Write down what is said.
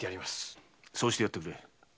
そうしてやってくれ。